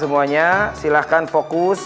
semuanya silahkan fokus